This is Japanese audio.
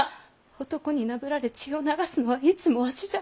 男になぶられ血を流すのはいつもわしじゃ！